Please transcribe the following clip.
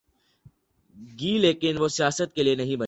گی لیکن وہ سیاست کے لئے نہیں بنے۔